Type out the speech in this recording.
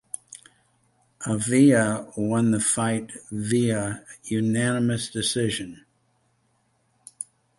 Avila won the fight via unanimous decision.